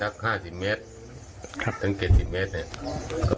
ห้างห้าสิบเมตรครับทั้งเจ็บสิบเมตรเนี้ย